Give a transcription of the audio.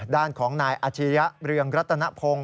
ด้านของนายอาชิริยะเรืองรัตนพงศ์